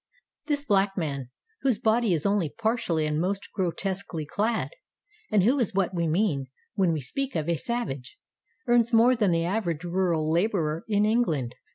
This black man, whose body is only partially and most grotesquely clad, and who is what we mean when we speak of a Savage, earns more than the average rural laborer in England.